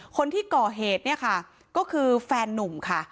คนที่ก่อเหตุคือแฟนนุ่มค่ะ